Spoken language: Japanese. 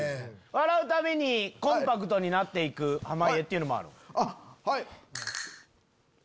笑うたびにコンパクトになっていく濱家っていうのもある。